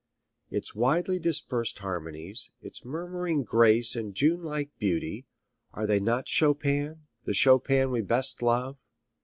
Its widely dispersed harmonies, its murmuring grace and June like beauty, are they not Chopin, the Chopin we best love?